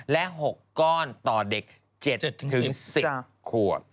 และ๖ก้อนต่อเด็ก๗๑๐ขวด